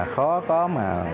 khó có mà